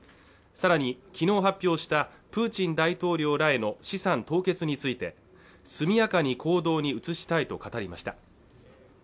さらにきのう発表したプーチン大統領らへの資産凍結について速やかに行動に移したいと語りました